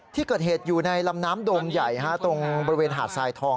ที่เกิดเหตุอยู่ในลำน้ำโดมใหญ่ตรงบริเวณหาดทรายทอง